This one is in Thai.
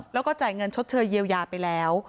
แล้วก็จ่ายเงินชดเชยเยียวยาไปแล้ว